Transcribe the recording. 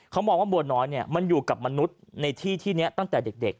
เขามองว่าบัวน้อยมันอยู่กับมนุษย์ในที่ที่นี้ตั้งแต่เด็ก